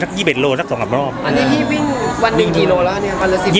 ทักยี่บีเอ็ดโลลงนับรอบอันนี้พี่วิ่งวันหนึ่งทีโลแล้วอันนี้เป็นอะไร